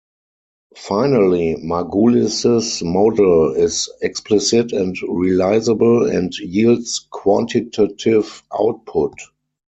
Finally, Margulis's model is explicit and realizable, and yields quantitative output.